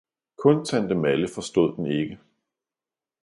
kun Tante Malle forstod den ikke.